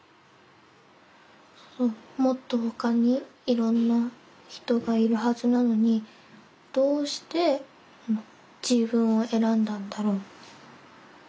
もっとほかにいろんな人がいるはずなのにどうして自分を選んだんだろう？